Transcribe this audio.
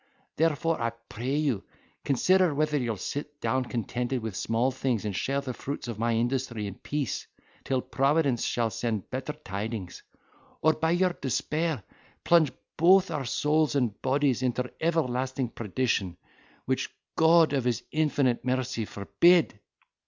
Therefore I pray you, consider whether you will sit down contented with small things and share the fruits of my industry in peace, till Providence shall send better tidings; or, by your despair, plunge both our souls and bodies into everlasting perdition, which God of his infinite mercy forbid!"